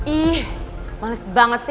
ih males banget sih